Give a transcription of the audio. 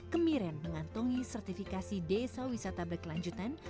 kemiren mengantongi sertifikasi desa wisata berkelanjutan